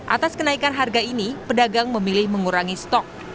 atas kenaikan harga ini pedagang memilih mengurangi stok